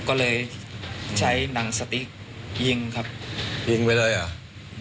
ก็เลยใช้หนังสติ๊กยิงครับยิงไปเลยเหรอ